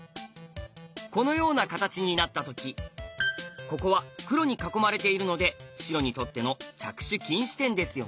このような形になった時ここは黒に囲まれているので白にとっての着手禁止点ですよね。